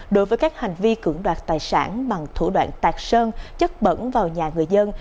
đối với các hành vi cưỡng đoạt tài sản bằng thủ đoạn tạc sơn chất bẩn vào nhà người dân